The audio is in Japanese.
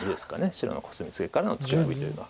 白のコスミツケからのツケノビというのは。